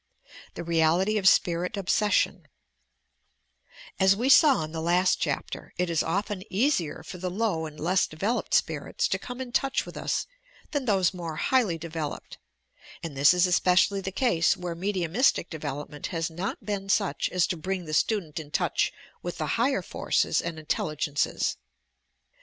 THE REALITY OF SPIRIT OBSESSION As we saw in the last chapter, it is often easier for the low and less developed spirits to come in touch with us than those more highly developed ; and this is espe cially the ease where mediumistie development has not been such as to bring the student in touch with the higher forces and intelligences.